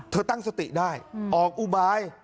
ตั้งสติได้ออกอุบาย